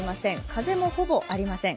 風もほぼありません。